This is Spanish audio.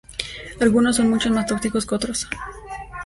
Algunos son mucho más tóxicos que otros.